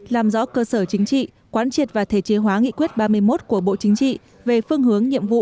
làm rõ cơ sở chính trị quán triệt và thể chế hóa nghị quyết ba mươi một của bộ chính trị về phương hướng nhiệm vụ